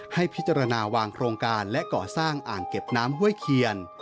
ให้พิจารณาวางโครงการและก่อสร้างอ่างเก็บน้ำห้วยเคียน